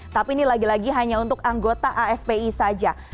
tapi ini lagi lagi hanya untuk anggota afpi saja